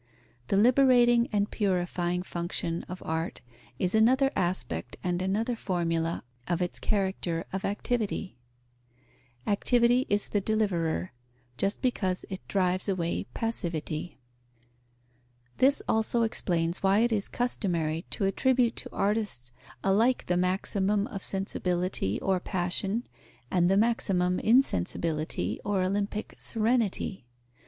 The liberating and purifying function of art is another aspect and another formula of its character of activity. Activity is the deliverer, just because it drives away passivity. This also explains why it is customary to attribute to artists alike the maximum of sensibility or passion, and the maximum insensibility or Olympic serenity.